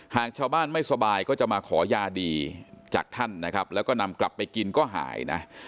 หากชาวบ้านไม่สบายก็จะมาขอยาดีจากท่านนะครับแล้วก็นำกลับไปกินก็หายนะ